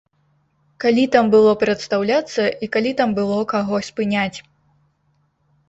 Калі там было прадстаўляцца і калі там было каго спыняць?